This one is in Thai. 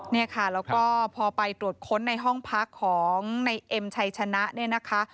เนี่ยค่ะแล้วก็พอไปตรวจค้นในห้องพักของในเอ็มชัยชนะเนี่ยนะคะ